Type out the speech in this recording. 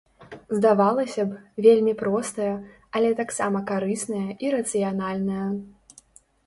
Здавалася б, вельмі простая, але таксама карысная і рацыянальная.